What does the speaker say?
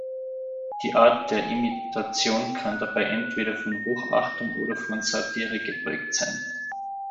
Die Art der Imitation kann dabei entweder von Hochachtung oder von Satire geprägt sein.